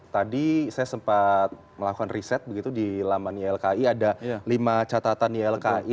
tadi saya sempat melakukan riset begitu di laman ylki ada lima catatan ylki